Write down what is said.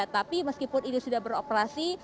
tapi meskipun ini sudah beroperasi